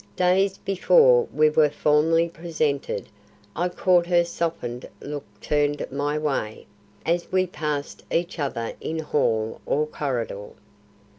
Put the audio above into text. Days before we were formally presented, I caught her softened look turned my way, as we passed each other in hall or corridor.